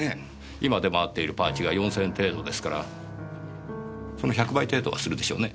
今出回っている「パーチー」が４０００円程度ですからその１００倍程度はするでしょうね。